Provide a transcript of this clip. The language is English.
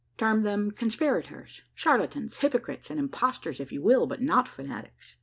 Term them conspirators, charlatans, hypocrites, and impostors, if you will, but not fanatics.